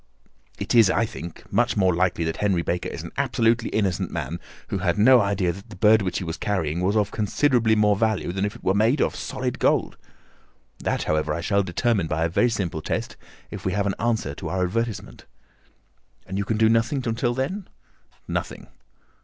"It is, I think, much more likely that Henry Baker is an absolutely innocent man, who had no idea that the bird which he was carrying was of considerably more value than if it were made of solid gold. That, however, I shall determine by a very simple test if we have an answer to our advertisement." "And you can do nothing until then?" "Nothing."